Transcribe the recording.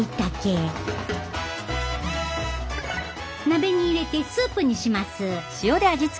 鍋に入れてスープにします。